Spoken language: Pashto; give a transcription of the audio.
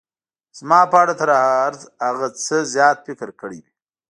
زما په اړه تر هغه څه زیات فکر کړی وي.